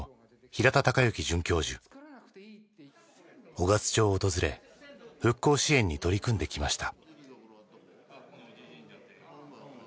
雄勝町を訪れ復興支援に取り組んできました。